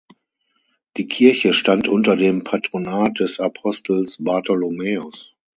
Die Kirche stand unter dem Patronat des Apostels Bartholomäus.